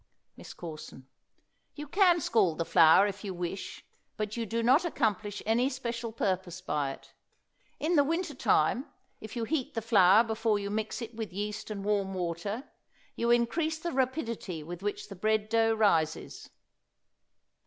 MISS CORSON. You can scald the flour if you wish, but you do not accomplish any special purpose by it. In the winter time, if you heat the flour before you mix it with yeast and warm water, you increase the rapidity with which the bread dough rises.